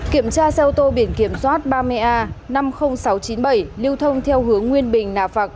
kiểm tra xe ô tô biển kiểm soát ba mươi a năm mươi nghìn sáu trăm chín mươi bảy lưu thông theo hướng nguyên bình nà phạc